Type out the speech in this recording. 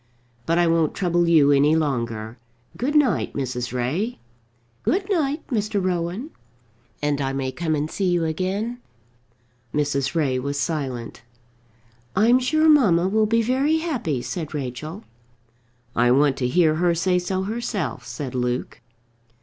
But I won't trouble you any longer. Good night, Mrs. Ray." "Good night, Mr. Rowan." "And I may come and see you again?" Mrs. Ray was silent. "I'm sure mamma will be very happy," said Rachel. "I want to hear her say so herself," said Luke.